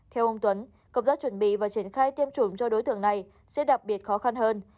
theo ông tuấn công tác chuẩn bị và triển khai tiêm chủng cho đối tượng này sẽ đặc biệt khó khăn hơn